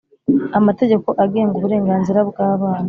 Amategeko agenga uburenganzira bwabana